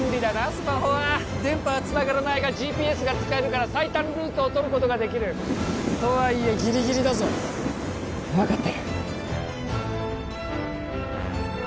スマホは電波はつながらないがＧＰＳが使えるから最短ルートをとることができるとはいえギリギリだぞ分かってる